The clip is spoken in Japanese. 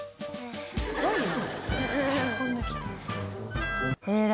すごいな。